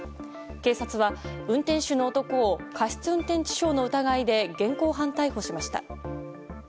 警察は運転手の男を過失運転致傷の疑いで現行犯逮捕しました。